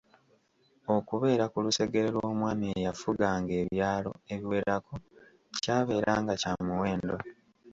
Okubeera ku lusegere lw’omwami eyafuganga ebyalo ebiwerako kyabeera nga kya muwendo.